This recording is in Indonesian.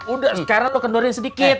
udah sekarang tuh kendorin sedikit